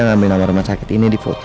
ngambil nama rumah sakit ini di foto